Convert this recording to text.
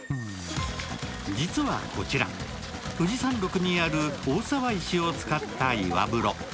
実は、こちら、富士山麓にある大沢石を使った岩風呂。